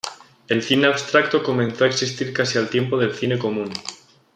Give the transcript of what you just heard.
El cine abstracto comenzó a existir casi al tiempo del cine común.